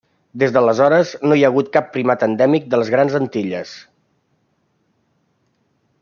Des d'aleshores, no hi ha hagut cap primat endèmic de les Grans Antilles.